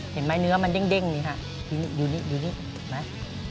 เห็นไหมเนื้อมันยิ่งเด้งนี่ค่ะอยู่นี่อยู่นี่อยู่นี่มา